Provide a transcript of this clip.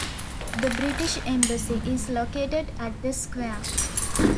The British Embassy is located at the square.